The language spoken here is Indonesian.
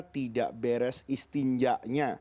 tidak beres istinjaknya